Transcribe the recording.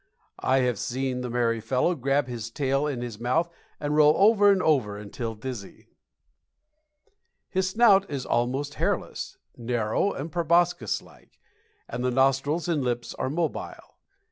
I have seen the merry fellow grab his tail in his mouth and roll over and over until dizzy. His snout is almost hairless, narrow and proboscis like, and the nostrils and lips are mobile.